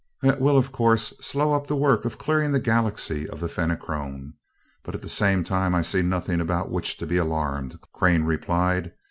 "That will, of course, slow up the work of clearing the Galaxy of the Fenachrone, but at the same time I see nothing about which to be alarmed," Crane replied.